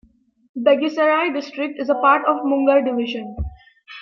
Begusarai district is a part of Munger division.